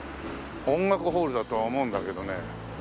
音楽ホールだとは思うんだけどね。